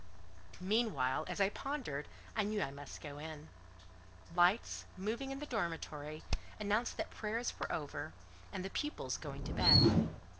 Meanwhile, as I pondered, I knew I must go in. Lights, moving in the dormitory, announced that prayers were over, and the pupils going to bed.